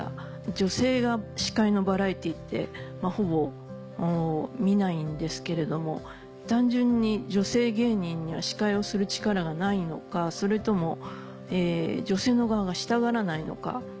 女性が司会のバラエティーってほぼ見ないんですけれども単純に女性芸人には司会をする力がないのかそれとも女性の側がしたがらないのか。